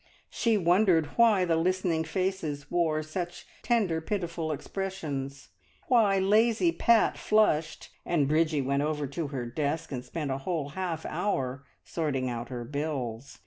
She wondered why the listening faces wore such tender, pitiful expressions, why lazy Pat flushed, and Bridgie went over to her desk and spent a whole half hour sorting out her bills.